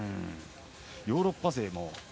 ヨーロッパ勢も。